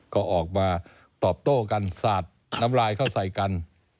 ก็ออกมาตอบโต้กันสาดน้ำลายเข้าใส่กัน